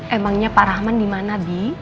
emangnya pak rahman dimana bi